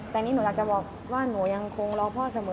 แต่นี่หนูอยากจะบอกว่าหนูยังคงรอพ่อเสมอ